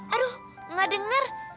aduh gak denger